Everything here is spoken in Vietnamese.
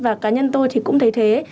và cá nhân tôi thì cũng thấy thế